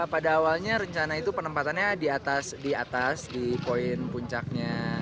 pada awalnya rencana itu penempatannya di atas di poin puncaknya